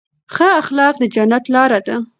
ښه اخلاق د جنت لاره ده.